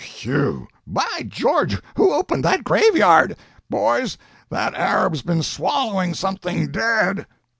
"Whew!" "By George, who opened that graveyard?" "Boys, that Arab's been swallowing something dead!"